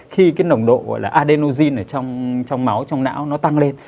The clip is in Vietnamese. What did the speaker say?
khi cái nồng độ gọi là adenogin ở trong máu trong não nó tăng lên